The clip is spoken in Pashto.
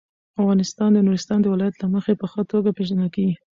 افغانستان د نورستان د ولایت له مخې په ښه توګه پېژندل کېږي.